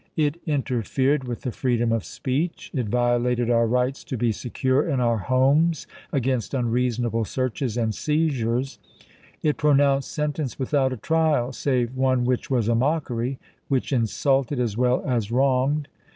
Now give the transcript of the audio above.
It interfered with the freedom of speech ; it violated our rights to be secure in our homes against unreasonable searches and seizures ; it pronounced sentence without a trial, save one which was a mockery — which insulted as well as wronged.